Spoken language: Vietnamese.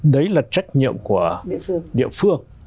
đấy là trách nhiệm của địa phương